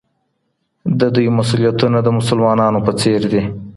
د دوی مسئوليتونه د مسلمانانو په څېر دي.